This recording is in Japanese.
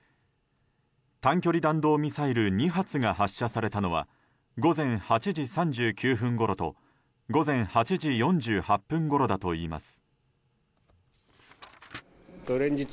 短距離弾道ミサイル２発が発射されたのは午前８時３９分ごろと午前８時４８分ごろだといいます。